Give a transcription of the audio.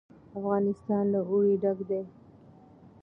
افغانستان له اوړي ډک دی.